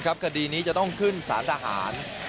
ขนาดนี้จะต้องขึ้นสารหัวหนาหาร